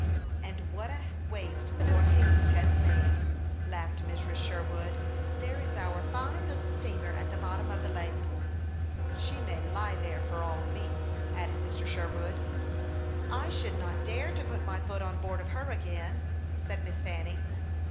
" And what a waste your haste has made !" laughed Mrs. Sherwood. " There is our fine little steamer at the bottom of the lake." " She may lie there, for all me," added Mr. Sher wood, impatiently. " I should not dare to put my foot on board of her again," said Miss Fanny.